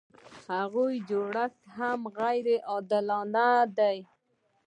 هغه جوړښت هم غیر عادلانه دی.